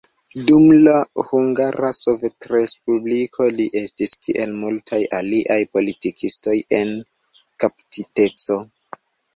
Dum la Hungara Sovetrespubliko, li estis kiel multaj aliaj politikistoj, en kaptiteco.